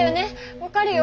分かるよ。